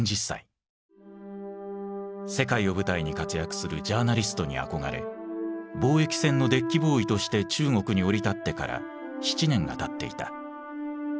世界を舞台に活躍するジャーナリストに憧れ貿易船のデッキボーイとして中国に降り立ってから７年がたっていた。